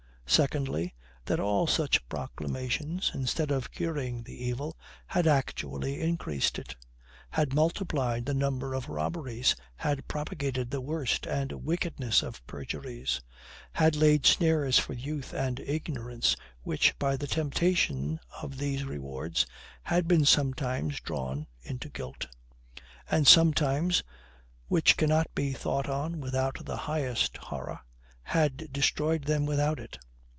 Secondly, that all such proclamations, instead of curing the evil, had actually increased it; had multiplied the number of robberies; had propagated the worst and wickedest of perjuries; had laid snares for youth and ignorance, which, by the temptation of these rewards, had been sometimes drawn into guilt; and sometimes, which cannot be thought on without the highest horror, had destroyed them without it.